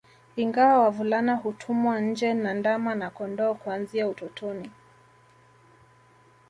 Ingawa wavulana hutumwa nje na ndama na kondoo kuanzia utotoni